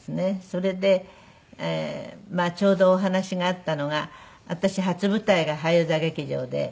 それでちょうどお話があったのが私初舞台が俳優座劇場で。